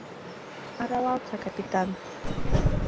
— Аралалтса, капитан!